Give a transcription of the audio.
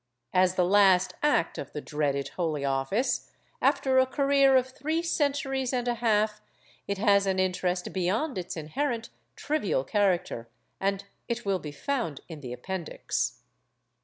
As the last act of the dreaded Holy Office, after a career of three centuries and a half, it has an interest beyond its inherent trivial character, and it will be found in the Appendix.